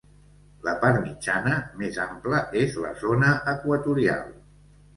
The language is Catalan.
La part mitjana, més ampla, és la zona equatorial.